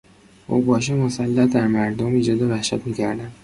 اوباش مسلح در مردم ایجاد وحشت میکردند.